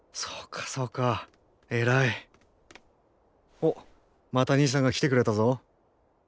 おっまた兄さんが来てくれたぞ。